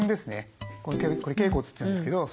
これ脛骨っていうんですけど。